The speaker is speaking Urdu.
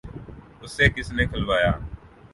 ‘ اسے کس نے کھلوایا؟